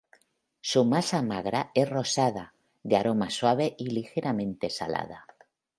Su masa magra es rosada, de aroma suave y ligeramente salada.